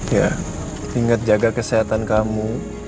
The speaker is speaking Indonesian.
ya inget jaga kesehatan kamu